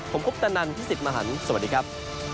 ผมคุปตะนันพี่สิทธิ์มหันฯสวัสดีครับ